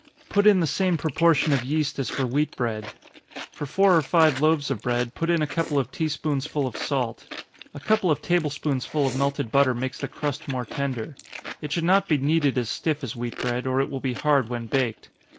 Put in the same proportion of yeast as for wheat bread. For four or five loaves of bread, put in a couple of tea spoonsful of salt. A couple of table spoonsful of melted butter makes the crust more tender. It should not be kneaded as stiff as wheat bread, or it will be hard when baked.